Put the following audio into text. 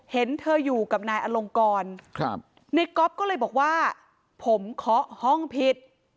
เห็นเธออยู่กับนายอลงกรนายก๊อฟก็เลยบอกว่าผมเคาะห้องผิด